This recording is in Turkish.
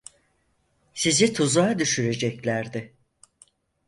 Sizi tuzağa düşüreceklerdi.